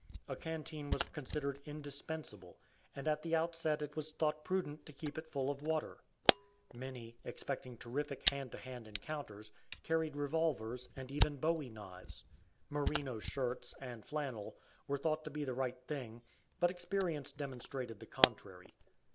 A canteen was considered indispensable, and at the outset it was thought prudent to keep it full of water. Many, expecting terrific hand to hand encounters, carried revolvers, and even bowie knives. Merino shirts (and flannel) were thought to be the right thing, but experience demonstrated the contrary.